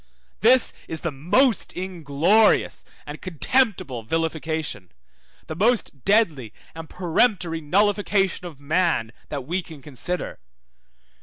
This is the most inglorious and contemptible vilification, the most deadly and peremptory nullification of man, that we can consider.